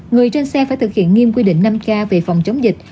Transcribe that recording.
người trên xe phải thực hiện nghiêm quy định năm k về phòng chống dịch